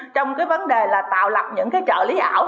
trong vấn đề là tạo lập những trợ lý ảo